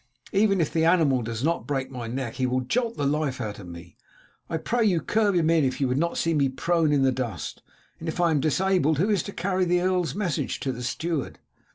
"Even if the animal does not break my neck he will jolt the life out of me. I pray you curb him in if you would not see me prone in the dust; and if I am disabled, who is to carry the earl's message to the steward?"